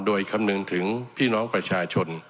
โดยคำนึงถึงพี่น้องประชาชน